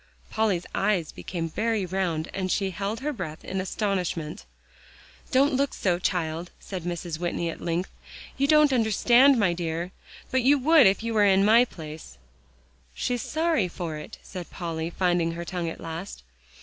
Polly's eyes became very round, and she held her breath in astonishment. "Don't look so, child," said Mrs. Whitney at length, "you don't understand, my dear. But you would if you were in my place" "She's sorry for it," said Polly, finding her tongue at last.